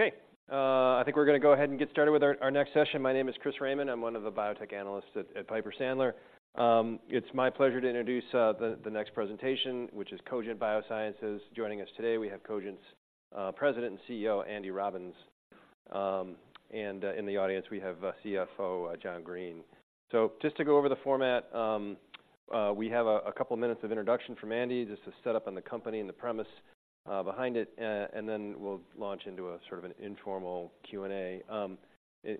Okay, I think we're going to go ahead and get started with our next session. My name is Chris Raymond. I'm one of the Biotech Analysts at Piper Sandler. It's my pleasure to introduce the next presentation, which is Cogent Biosciences. Joining us today, we have Cogent's President and CEO, Andy Robbins. And in the audience, we have CFO John Green. So just to go over the format, we have a couple minutes of introduction from Andy, just to set up on the company and the premise behind it, and then we'll launch into a sort of an informal Q&A.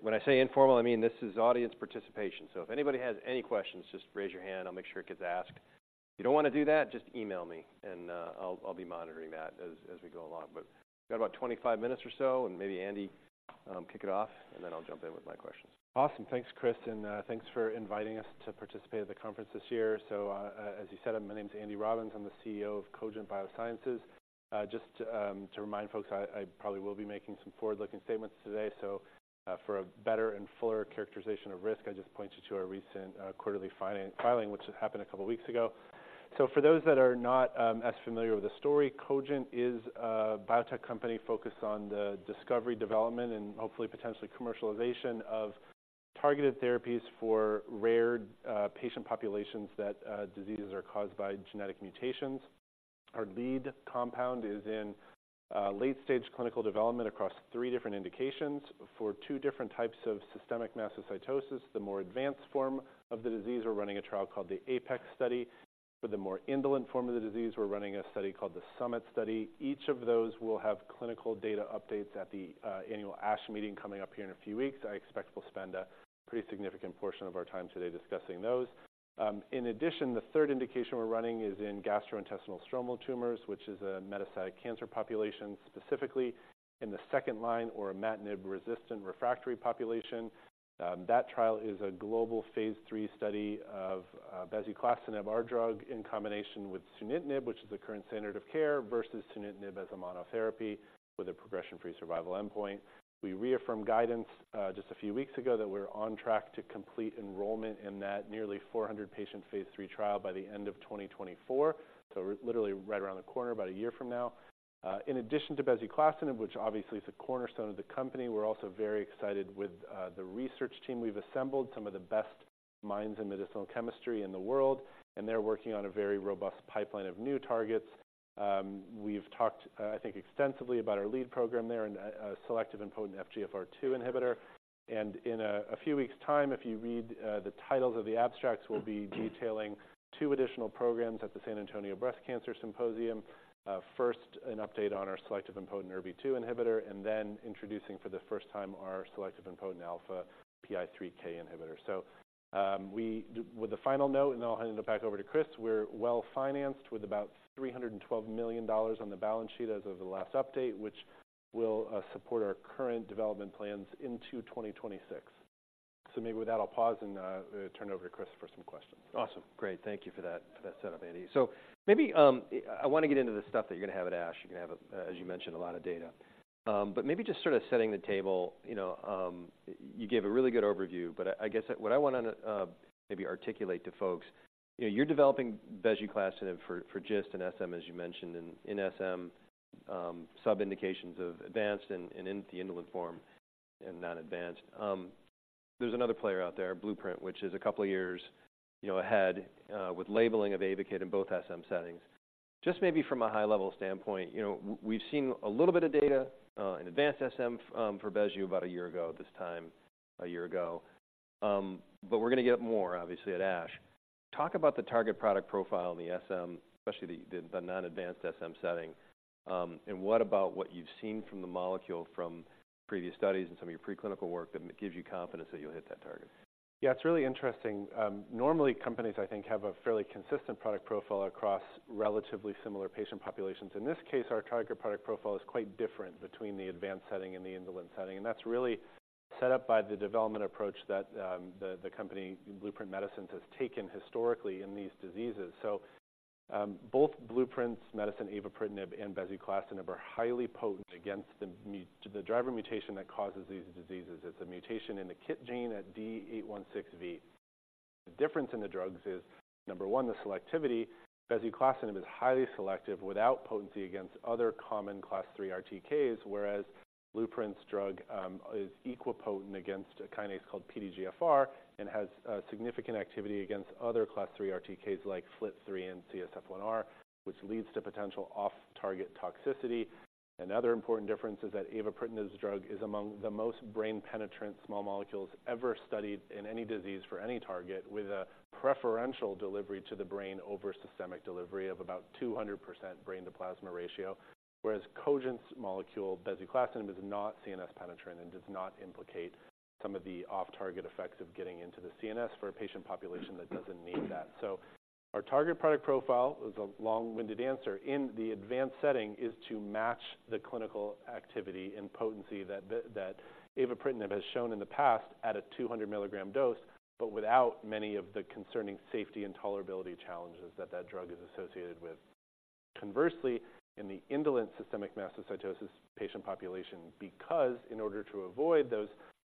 When I say informal, I mean this is audience participation, so if anybody has any questions, just raise your hand. I'll make sure it gets asked. If you don't want to do that, just email me and I'll be monitoring that as we go along. But we've got about 25 minutes or so, and maybe Andy kick it off, and then I'll jump in with my questions. Awesome. Thanks, Chris, and thanks for inviting us to participate at the conference this year. So, as you said, my name is Andy Robbins. I'm the CEO of Cogent Biosciences. Just to remind folks, I probably will be making some forward-looking statements today. So, for a better and fuller characterization of risk, I just point you to our recent quarterly filing, which happened a couple of weeks ago. So for those that are not as familiar with the story, Cogent is a biotech company focused on the discovery, development, and hopefully potentially commercialization of targeted therapies for rare patient populations that diseases are caused by genetic mutations. Our lead compound is in late-stage clinical development across three different indications for two different types of systemic mastocytosis. The more advanced form of the disease, we're running a trial called the APEX study. For the more indolent form of the disease, we're running a study called the SUMMIT study. Each of those will have clinical data updates at the annual ASH meeting coming up here in a few weeks. I expect we'll spend a pretty significant portion of our time today discussing those. In addition, the third indication we're running is in gastrointestinal stromal tumors, which is a metastatic cancer population, specifically in the second line, or imatinib resistant refractory population. That trial is a global phase III study of bezuclastinib, our drug, in combination with sunitinib, which is the current standard of care, versus sunitinib as a monotherapy with a progression-free survival endpoint. We reaffirmed guidance, just a few weeks ago, that we're on track to complete enrollment in that nearly 400-patient phase III trial by the end of 2024. So we're literally right around the corner, about a year from now. In addition to bezuclastinib, which obviously is a cornerstone of the company, we're also very excited with the research team we've assembled, some of the best minds in medicinal chemistry in the world, and they're working on a very robust pipeline of new targets. We've talked, I think, extensively about our lead program there and a selective and potent FGFR2 inhibitor. In a few weeks' time, if you read the titles of the abstracts, we'll be detailing two additional programs at the San Antonio Breast Cancer Symposium. First, an update on our selective and potent ERBB2 inhibitor, and then introducing for the first time our selective and potent alpha PI3K inhibitor. So, with a final note, and I'll hand it back over to Chris, we're well-financed with about $312 million on the balance sheet as of the last update, which will support our current development plans into 2026. So maybe with that, I'll pause and turn it over to Chris for some questions. Awesome. Great. Thank you for that, for that setup, Andy. So maybe I want to get into the stuff that you're going to have at ASH. You're going to have, as you mentioned, a lot of data. But maybe just sort of setting the table, you know, you gave a really good overview, but I guess what I want to maybe articulate to folks, you know, you're developing bezuclastinib for GIST and SM, as you mentioned, and in SM, subindications of advanced and in the indolent form and not advanced. There's another player out there, Blueprint, which is a couple of years, you know, ahead with labeling of Ayvakit in both SM settings. Just maybe from a high-level standpoint, you know, we've seen a little bit of data in advanced SM for bezu about a year ago at this time, a year ago. But we're going to get more, obviously, at ASH. Talk about the target product profile in the SM, especially the non-advanced SM setting. And what about what you've seen from the molecule from previous studies and some of your preclinical work that gives you confidence that you'll hit that target? Yeah, it's really interesting. Normally, companies, I think, have a fairly consistent product profile across relatively similar patient populations. In this case, our target product profile is quite different between the advanced setting and the indolent setting, and that's really set up by the development approach that the company Blueprint Medicines has taken historically in these diseases. So, both Blueprint Medicines' avapritinib and bezuclastinib are highly potent against the driver mutation that causes these diseases. It's a mutation in the KIT gene at D816V. The difference in the drugs is, number one, the selectivity. Bezuclastinib is highly selective without potency against other common class III RTKs, whereas Blueprint's drug is equipotent against a kinase called PDGFR and has significant activity against other class III RTKs like FLT3 and CSF1R, which leads to potential off-target toxicity. Another important difference is that avapritinib's drug is among the most brain-penetrant small molecules ever studied in any disease for any target, with a preferential delivery to the brain over systemic delivery of about 200% brain-to-plasma ratio. Whereas Cogent's molecule, bezuclastinib, is not CNS penetrant and does not implicate some of the off-target effects of getting into the CNS for a patient population that doesn't need that. So our target product profile is a long-winded answer. In the advanced setting, is to match the clinical activity and potency that the, that avapritinib has shown in the past at a 200 milligram dose, but without many of the concerning safety and tolerability challenges that that drug is associated with. Conversely, in the indolent systemic mastocytosis patient population, because in order to avoid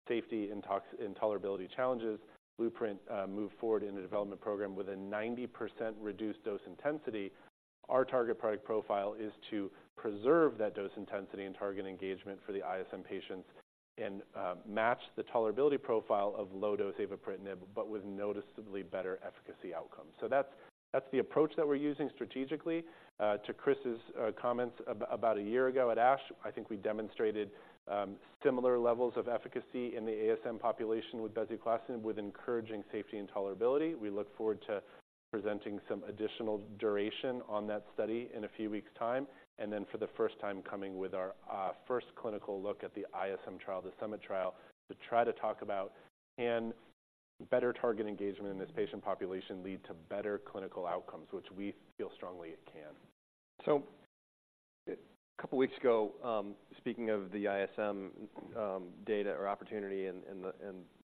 those safety and toxicity and intolerability challenges, Blueprint moved forward in the development program with a 90% reduced dose intensity. Our target product profile is to preserve that dose intensity and target engagement for the ISM patients and match the tolerability profile of low-dose avapritinib, but with noticeably better efficacy outcomes. So that's, that's the approach that we're using strategically. To Chris's comments, about a year ago at ASH, I think we demonstrated similar levels of efficacy in the ASM population with bezuclastinib, with encouraging safety and tolerability. We look forward to presenting some additional duration on that study in a few weeks' time, and then for the first time, coming with our first clinical look at the ISM trial, the SUMMIT trial, to try to talk about can better target engagement in this patient population lead to better clinical outcomes, which we feel strongly it can. So a couple weeks ago, speaking of the ISM data or opportunity and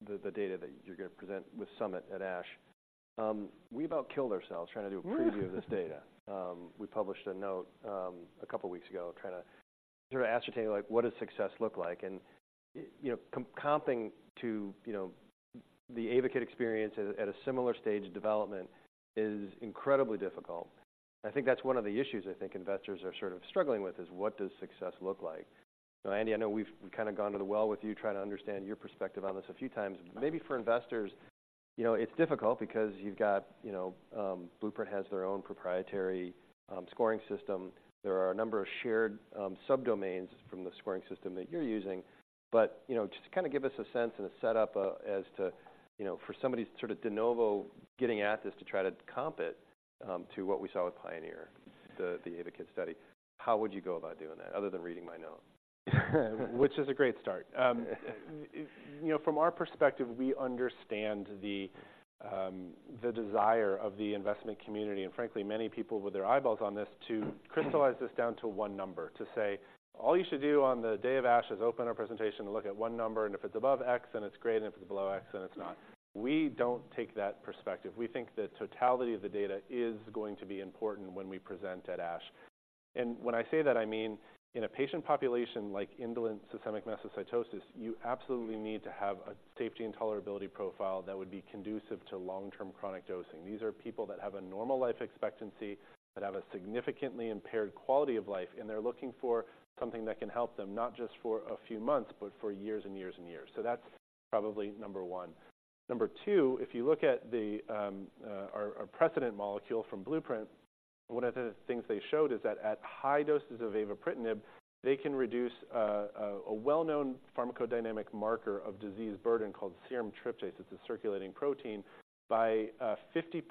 the data that you're going to present with SUMMIT at ASH, we about killed ourselves trying to do a preview of this data. We published a note a couple weeks ago, trying to sort of ascertain, like, what does success look like? And, you know, comping to the Ayvakit experience at a similar stage of development is incredibly difficult. I think that's one of the issues I think investors are sort of struggling with, is what does success look like? Andy, I know we've kind of gone to the well with you, trying to understand your perspective on this a few times. Maybe for investors... You know, it's difficult because you've got, you know, Blueprint has their own proprietary scoring system. There are a number of shared subdomains from the scoring system that you're using. But, you know, just to kind of give us a sense and a setup, as to, you know, for somebody sort of de novo getting at this, to try to comp it, to what we saw with PIONEER, the Ayvakit study, how would you go about doing that other than reading my notes? Which is a great start. You know, from our perspective, we understand the desire of the investment community and frankly, many people with their eyeballs on this, to crystallize this down to one number, to say, "All you should do on the day of ASH is open our presentation and look at one number, and if it's above X, then it's great, and if it's below X, then it's not." We don't take that perspective. We think the totality of the data is going to be important when we present at ASH. And when I say that, I mean in a patient population like indolent systemic mastocytosis, you absolutely need to have a safety and tolerability profile that would be conducive to long-term chronic dosing. These are people that have a normal life expectancy, but have a significantly impaired quality of life, and they're looking for something that can help them, not just for a few months, but for years and years and years. So that's probably number one. Number two, if you look at our precedent molecule from Blueprint, one of the things they showed is that at high doses of avapritinib, they can reduce a well-known pharmacodynamic marker of disease burden called serum tryptase. It's a circulating protein, by 50%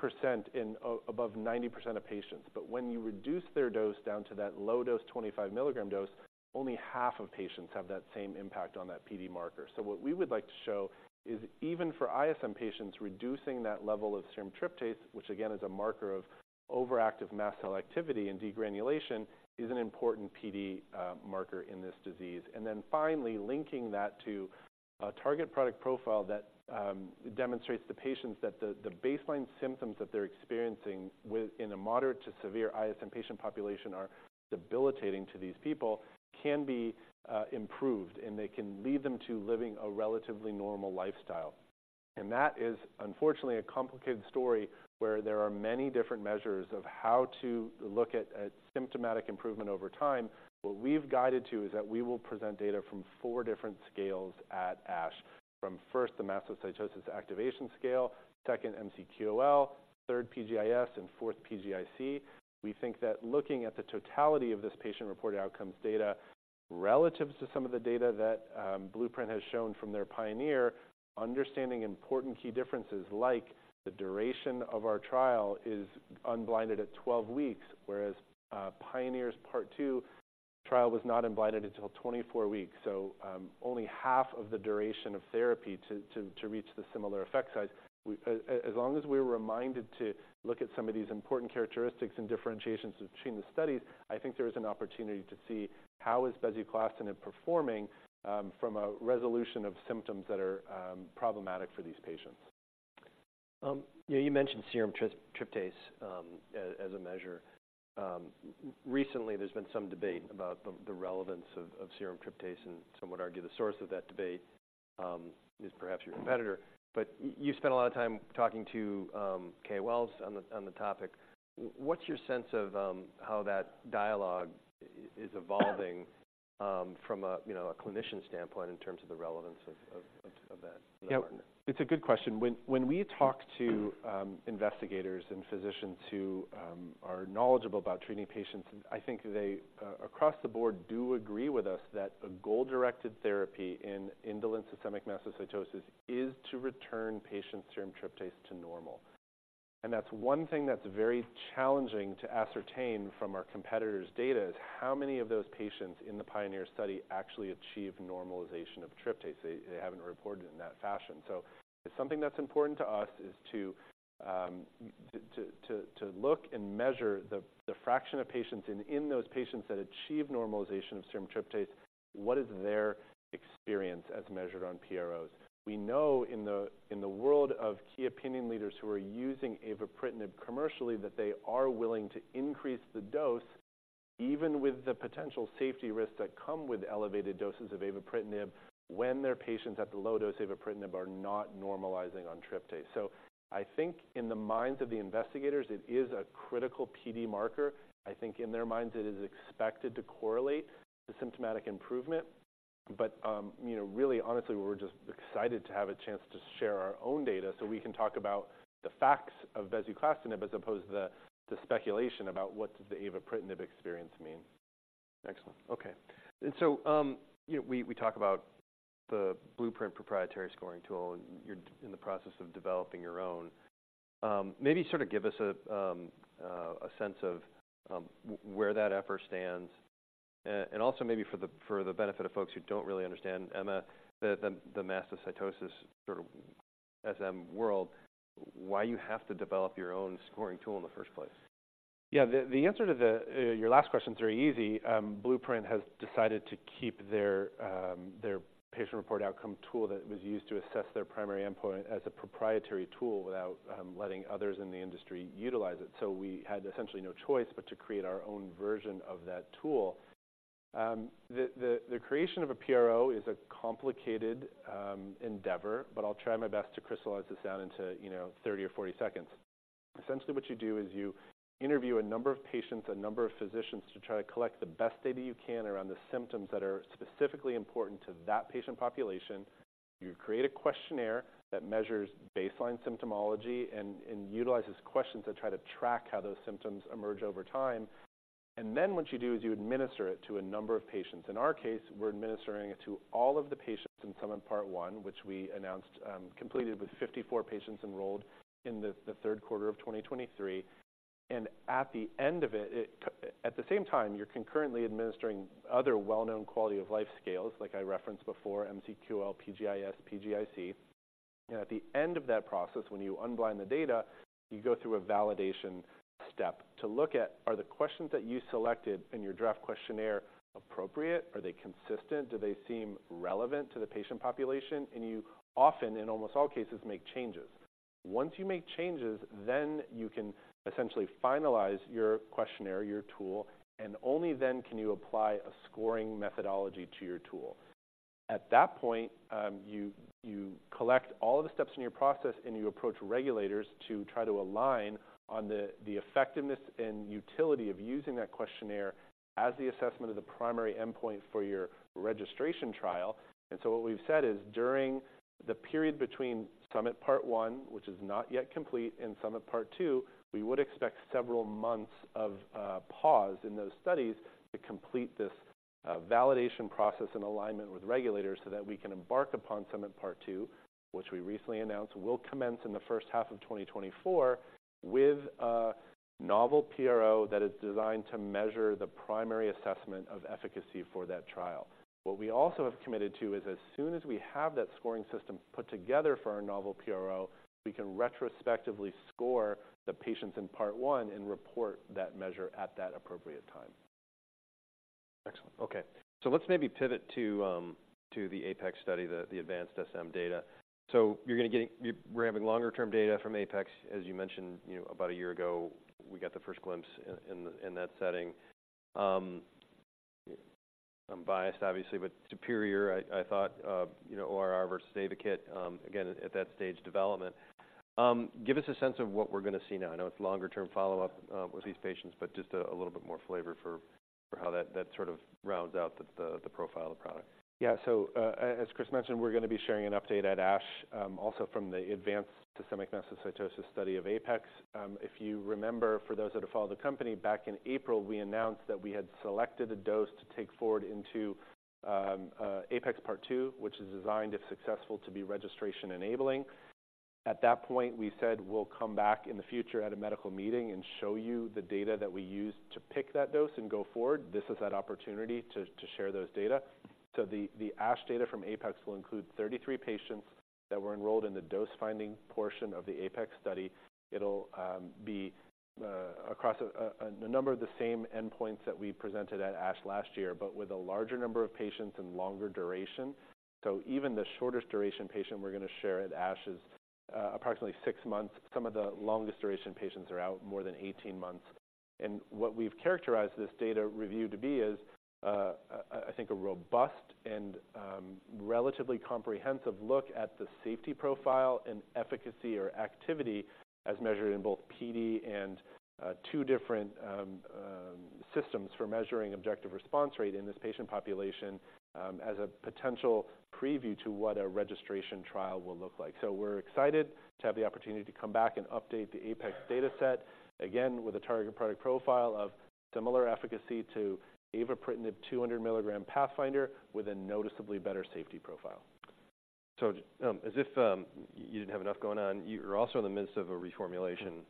in above 90% of patients. But when you reduce their dose down to that low dose, 25 milligram dose, only half of patients have that same impact on that PD marker. So what we would like to show is, even for ISM patients, reducing that level of serum tryptase, which again, is a marker of overactive mast cell activity and degranulation, is an important PD marker in this disease. And then finally, linking that to a target product profile that demonstrates to patients that the baseline symptoms that they're experiencing in a moderate to severe ISM patient population, are debilitating to these people, can be improved, and they can lead them to living a relatively normal lifestyle. And that is unfortunately, a complicated story, where there are many different measures of how to look at a symptomatic improvement over time. What we've guided to is that we will present data from four different scales at ASH, from first, the mastocytosis activation scale, second MCQOL, third PGIS, and fourth PGIC. We think that looking at the totality of this patient-reported outcomes data, relative to some of the data that Blueprint has shown from their PIONEER, understanding important key differences, like the duration of our trial is unblinded at 12 weeks, whereas PIONEER's Part Two trial was not unblinded until 24 weeks, so only half of the duration of therapy to reach the similar effect size. As long as we're reminded to look at some of these important characteristics and differentiations between the studies, I think there is an opportunity to see how bezuclastinib is performing from a resolution of symptoms that are problematic for these patients. Yeah, you mentioned serum tryptase as a measure. Recently there's been some debate about the relevance of serum tryptase, and some would argue the source of that debate is perhaps your competitor. But you've spent a lot of time talking to KOLs on the topic. What's your sense of how that dialogue is evolving from a clinician standpoint in terms of the relevance of that parameter? It's a good question. When we talk to investigators and physicians who are knowledgeable about treating patients, I think they across the board do agree with us that a goal-directed therapy in indolent systemic mastocytosis is to return patients' serum tryptase to normal. And that's one thing that's very challenging to ascertain from our competitor's data, is how many of those patients in the PIONEER study actually achieve normalization of tryptase. They haven't reported it in that fashion. So something that's important to us is to look and measure the fraction of patients, and in those patients that achieve normalization of serum tryptase, what is their experience as measured on PROs? We know in the world of key opinion leaders who are using avapritinib commercially, that they are willing to increase the dose-... Even with the potential safety risks that come with elevated doses of avapritinib, when their patients at the low dose avapritinib are not normalizing on tryptase. So I think in the minds of the investigators, it is a critical PD marker. I think in their minds, it is expected to correlate to symptomatic improvement. But, you know, really honestly, we're just excited to have a chance to share our own data so we can talk about the facts of bezuclastinib as opposed to the speculation about what does the avapritinib experience mean? Excellent. Okay. And so, you know, we talk about the Blueprint proprietary scoring tool, and you're in the process of developing your own. Maybe sort of give us a sense of where that effort stands. And also maybe for the benefit of folks who don't really understand SM, the mastocytosis sort of SM world, why you have to develop your own scoring tool in the first place? Yeah, the answer to your last question is very easy. Blueprint has decided to keep their patient-reported outcome tool that was used to assess their primary endpoint as a proprietary tool without letting others in the industry utilize it. So we had essentially no choice but to create our own version of that tool. The creation of a PRO is a complicated endeavor, but I'll try my best to crystallize this down into 30 or 40 seconds. Essentially, what you do is you interview a number of patients, a number of physicians, to try to collect the best data you can around the symptoms that are specifically important to that patient population. You create a questionnaire that measures baseline symptomology and utilizes questions to try to track how those symptoms emerge over time. Then what you do is you administer it to a number of patients. In our case, we're administering it to all of the patients in SUMMIT Part One, which we announced completed with 54 patients enrolled in the third quarter of 2023. At the end of it, at the same time, you're concurrently administering other well-known quality of life scales, like I referenced before, MCQOL, PGIS, PGIC. At the end of that process, when you unblind the data, you go through a validation step to look at, are the questions that you selected in your draft questionnaire appropriate? Are they consistent? Do they seem relevant to the patient population? And you often, in almost all cases, make changes. Once you make changes, then you can essentially finalize your questionnaire, your tool, and only then can you apply a scoring methodology to your tool. At that point, you collect all of the steps in your process, and you approach regulators to try to align on the effectiveness and utility of using that questionnaire as the assessment of the primary endpoint for your registration trial. And so what we've said is, during the period between SUMMIT Part One, which is not yet complete, and SUMMIT Part Two, we would expect several months of pause in those studies to complete this validation process and alignment with regulators so that we can embark upon SUMMIT Part Two, which we recently announced will commence in the first half of 2024 with a novel PRO that is designed to measure the primary assessment of efficacy for that trial. What we also have committed to is as soon as we have that scoring system put together for our novel PRO, we can retrospectively score the patients in Part One and report that measure at that appropriate time. Excellent. Okay, so let's maybe pivot to, to the APEX study, the advanced SM data. So you're going to get—you're having longer-term data from APEX, as you mentioned, you know, about a year ago, we got the first glimpse in that setting. I'm biased, obviously, but superior, I thought, you know, ORR versus Ayvakit, again, at that stage development. Give us a sense of what we're going to see now. I know it's longer-term follow-up, with these patients, but just a little bit more flavor for, for how that, that sort of rounds out the, the profile of the product. Yeah. So, as Chris mentioned, we're going to be sharing an update at ASH, also from the Advanced Systemic Mastocytosis study of APEX. If you remember, for those that have followed the company, back in April, we announced that we had selected a dose to take forward into APEX Part Two, which is designed, if successful, to be registration-enabling. At that point, we said we'll come back in the future at a medical meeting and show you the data that we used to pick that dose and go forward. This is that opportunity to share those data. So the ASH data from APEX will include 33 patients that were enrolled in the dose-finding portion of the APEX study. It'll be across a number of the same endpoints that we presented at ASH last year, but with a larger number of patients and longer duration. So even the shortest duration patient we're going to share at ASH is approximately 6 months. Some of the longest duration patients are out more than 18 months. And what we've characterized this data review to be is, I think, a robust and relatively comprehensive look at the safety profile and efficacy or activity as measured in both PD and two different systems for measuring objective response rate in this patient population, as a potential preview to what a registration trial will look like. We're excited to have the opportunity to come back and update the APEX data set again with a target product profile of similar efficacy to avapritinib 200 mg PATHFINDER with a noticeably better safety profile. As if you didn't have enough going on, you're also in the midst of a reformulation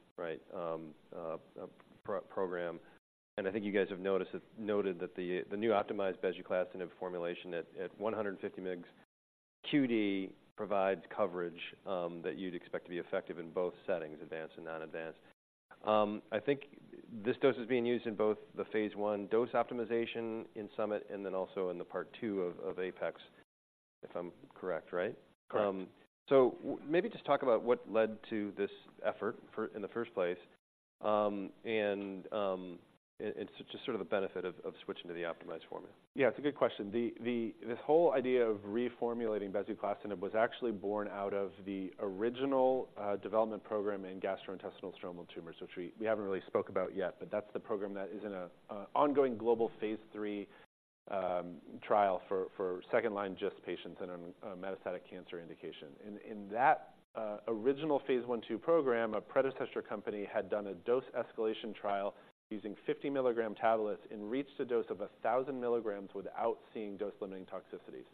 program, right? I think you guys have noted that the new optimized bezuclastinib formulation at 150 mg QD provides coverage that you'd expect to be effective in both settings, advanced and non-advanced. I think this dose is being used in both the phase I dose optimization in SUMMIT and then also in the part 2 of APEX, if I'm correct, right? Correct. So maybe just talk about what led to this effort in the first place, and just sort of the benefit of switching to the optimized formula. Yeah, it's a good question. This whole idea of reformulating bezuclastinib was actually born out of the original development program in gastrointestinal stromal tumors, which we haven't really spoke about yet. But that's the program that is in an ongoing global phase III trial for second-line GIST patients in a metastatic cancer indication. In that original Phase I/II program, a predecessor company had done a dose escalation trial using 50 milligram tablets and reached a dose of 1,000 milligrams without seeing dose-limiting toxicities.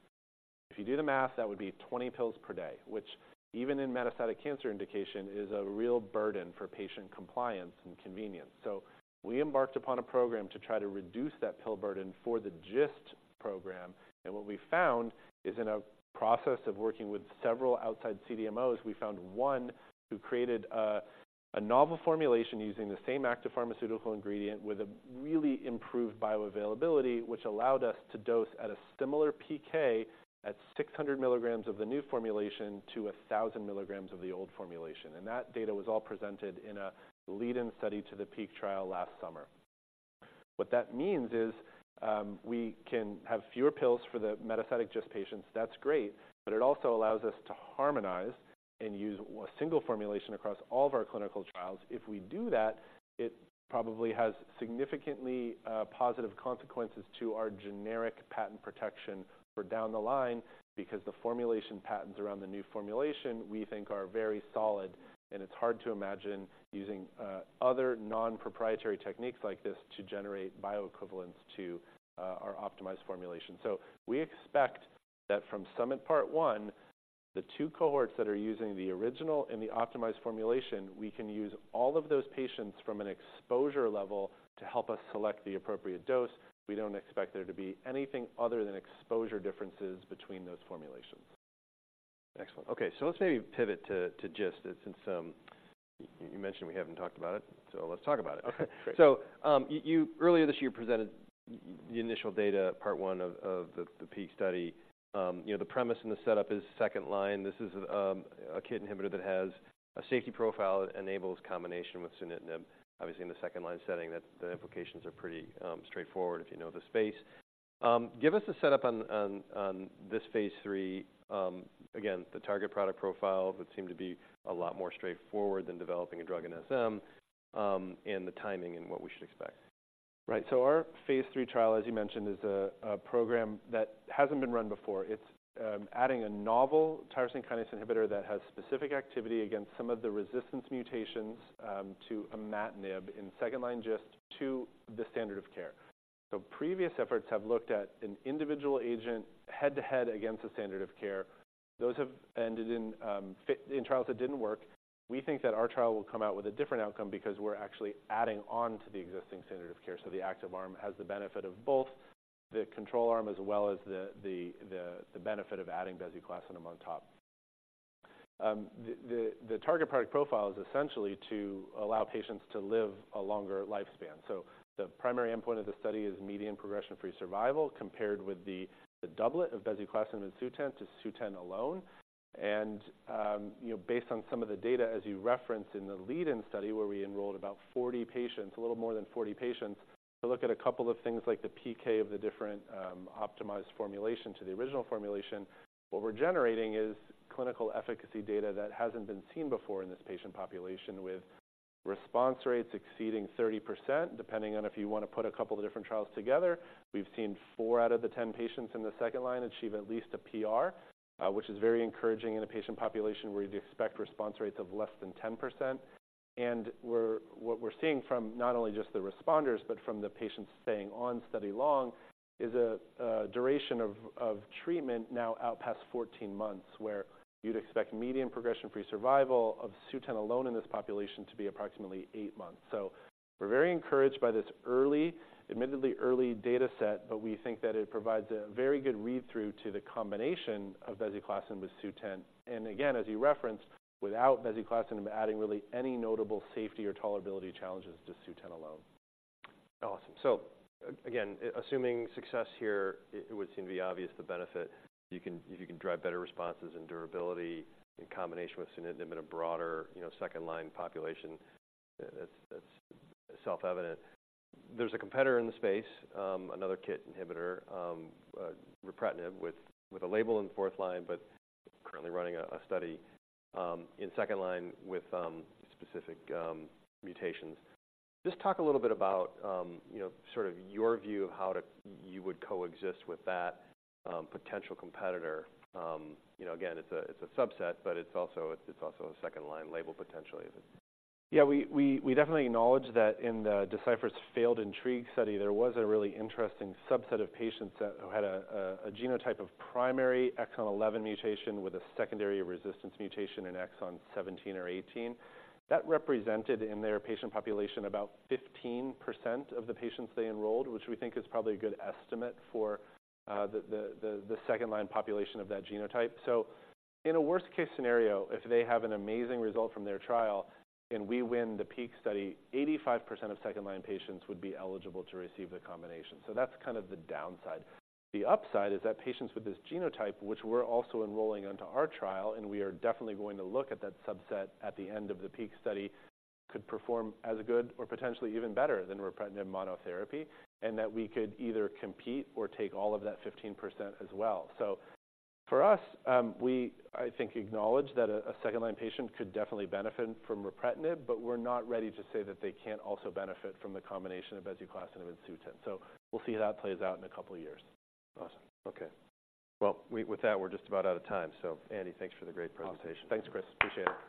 If you do the math, that would be 20 pills per day, which even in metastatic cancer indication, is a real burden for patient compliance and convenience. So we embarked upon a program to try to reduce that pill burden for the GIST program, and what we found is, in a process of working with several outside CDMOs, we found one who created a novel formulation using the same active pharmaceutical ingredient with a really improved bioavailability, which allowed us to dose at a similar PK at 600 milligrams of the new formulation to 1,000 milligrams of the old formulation, and that data was all presented in a lead-in study to the PEAK trial last summer. What that means is, we can have fewer pills for the metastatic GIST patients. That's great, but it also allows us to harmonize and use a single formulation across all of our clinical trials. If we do that, it probably has significantly positive consequences to our generic patent protection for down the line. Because the formulation patents around the new formulation, we think, are very solid, and it's hard to imagine using other non-proprietary techniques like this to generate bioequivalence to our optimized formulation. So we expect that from SUMMIT-Part I, the two cohorts that are using the original and the optimized formulation, we can use all of those patients from an exposure level to help us select the appropriate dose. We don't expect there to be anything other than exposure differences between those formulations. Excellent. Okay, so let's maybe pivot to, to GIST, since, you mentioned we haven't talked about it, so let's talk about it. Okay, great. So, you earlier this year presented the initial data, Part I of the PEAK study. You know, the premise and the setup is second line. This is a KIT inhibitor that has a safety profile that enables combination with sunitinib, obviously in the second-line setting, that the implications are pretty straightforward if you know the space. Give us a setup on this phase III. Again, the target product profile would seem to be a lot more straightforward than developing a drug in SM, and the timing and what we should expect. Right. So our phase III trial, as you mentioned, is a program that hasn't been run before. It's adding a novel tyrosine kinase inhibitor that has specific activity against some of the resistance mutations to imatinib in second-line GIST to the standard of care. So previous efforts have looked at an individual agent head-to-head against the standard of care. Those have ended in trials that didn't work. We think that our trial will come out with a different outcome because we're actually adding on to the existing standard of care. So the active arm has the benefit of both the control arm, as well as the benefit of adding bezuclastinib on top. The target product profile is essentially to allow patients to live a longer lifespan. So the primary endpoint of the study is median progression-free survival, compared with the doublet of bezuclastinib and Sutent-to-Sutent alone. And, you know, based on some of the data, as you referenced in the lead-in study, where we enrolled about 40 patients, a little more than 40 patients, to look at a couple of things like the PK of the different, optimized formulation to the original formulation. What we're generating is clinical efficacy data that hasn't been seen before in this patient population, with response rates exceeding 30%, depending on if you want to put a couple of different trials together. We've seen 4/10 patients in the second line achieve at least a PR, which is very encouraging in a patient population where you'd expect response rates of less than 10%. What we're seeing from not only just the responders, but from the patients staying on study long, is a duration of treatment now out past 14 months, where you'd expect median progression-free survival of Sutent alone in this population to be approximately eight months. So we're very encouraged by this early, admittedly early, data set, but we think that it provides a very good read-through to the combination of bezuclastinib with Sutent. And again, as you referenced, without bezuclastinib adding really any notable safety or tolerability challenges to Sutent alone. Awesome. So again, assuming success here, it would seem to be obvious the benefit. You can drive better responses and durability in combination with sunitinib in a broader, you know, second-line population. That's self-evident. There's a competitor in the space, another KIT inhibitor, ripretinib, with a label in fourth line, but currently running a study in second line with specific mutations. Just talk a little bit about, you know, sort of your view of how to... You would coexist with that potential competitor. You know, again, it's a subset, but it's also a second-line label, potentially. Yeah. We definitely acknowledge that in Deciphera's failed INTRIGUE study, there was a really interesting subset of patients that who had a genotype of primary exon eleven mutation with a secondary resistance mutation in exon seventeen or eighteen. That represented, in their patient population, about 15% of the patients they enrolled, which we think is probably a good estimate for the second-line population of that genotype. So in a worst-case scenario, if they have an amazing result from their trial and we win the PEAK study, 85% of second-line patients would be eligible to receive the combination. So that's kind of the downside. The upside is that patients with this genotype, which we're also enrolling onto our trial, and we are definitely going to look at that subset at the end of the PEAK study, could perform as good or potentially even better than ripretinib monotherapy, and that we could either compete or take all of that 15% as well. So for us, we, I think, acknowledge that a second-line patient could definitely benefit from ripretinib, but we're not ready to say that they can't also benefit from the combination of bezuclastinib and Sutent. So we'll see how it plays out in a couple of years. Awesome. Okay. Well, with that, we're just about out of time. So Andy, thanks for the great presentation. Awesome. Thanks, Chris. Appreciate it.